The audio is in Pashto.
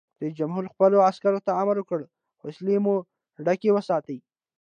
رئیس جمهور خپلو عسکرو ته امر وکړ؛ وسلې مو ډکې وساتئ!